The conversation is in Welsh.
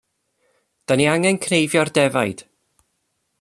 'Dan ni angen cneifio'r defaid.